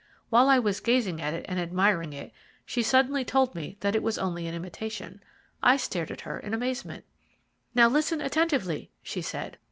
While I was gazing at it, and admiring it, she suddenly told me that it was only an imitation. I stared at her in amazement. "'Now, listen attentively,' she said.